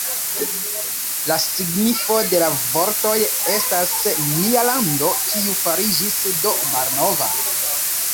La signifo de la vortoj estas "Nia lando, kiu fariĝis do malnova".